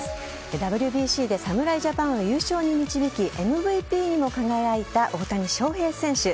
ＷＢＣで侍ジャパンを優勝に導き、ＭＶＰにも輝いた大谷翔平選手。